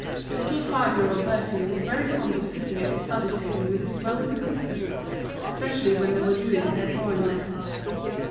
] Little five year old Bertie was very fond of sitting at the study table with his brothers and sisters, especially when they were doing their drawing lessons.